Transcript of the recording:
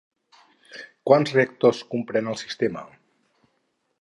Quants reactors comprèn el sistema?